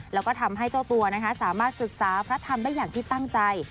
แล้วก็ทำให้เจ้าตัวสามารถศึกษาพระธรรมได้อย่างที่ตั้งใจ